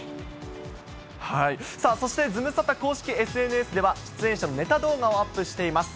さあ、そしてズムサタ公式ＳＮＳでは、出演者のネタ動画をアップしています。